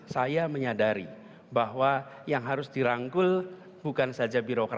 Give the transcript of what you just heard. saya menyadari bahwa yang harus dirangkul bukan saja birokrasi